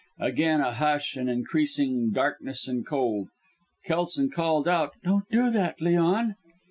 Again a hush, and increasing darkness and cold. Kelson called out "Don't do that, Leon."